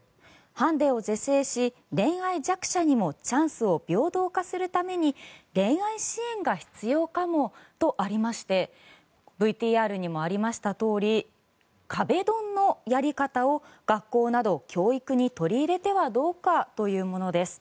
ハンディを是正し恋愛弱者にもチャンスを平等化するために恋愛支援が必要かもとありましてＶＴＲにもありましたとおり壁ドンのやり方を学校など教育に取り入れてはどうかというものです。